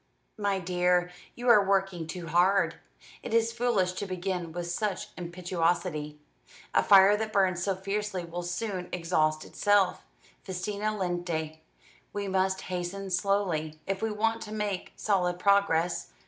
"My dear, you are working too hard. It is foolish to begin with such impetuosity. A fire that burns so fiercely will soon exhaust itself. Festina lente. We must hasten slowly, if we want to make solid progress.